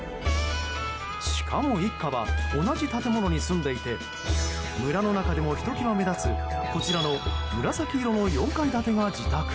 しかも、一家は同じ建物に住んでいて村の中でも、ひときわ目立つこちらの紫色の４階建てが自宅。